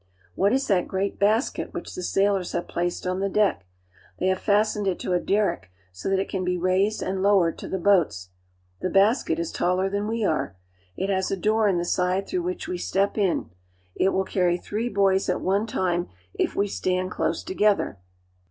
What is that great basket which the sailors have placed on the deck .' They have fastened it to a derrick so that it can be raised and lowered to the boats. The basket is taller than we are. It has a door in the side through which we step in. It will carry three boys at one time if we stand close together.